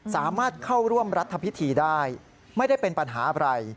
สามารถเข้าร่วมรัฐพิธีได้ไม่ได้เป็นปัญหาอะไร